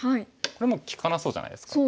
これもう利かなそうじゃないですか。